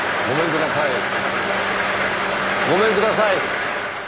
ごめんください！